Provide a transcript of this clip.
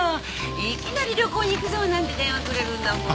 いきなり「旅行に行くぞ」なんて電話くれるんだもん。